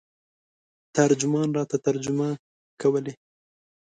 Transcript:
ترجمان راته ترجمه کولې.